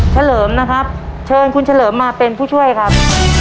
เลิมนะครับเชิญคุณเฉลิมมาเป็นผู้ช่วยครับ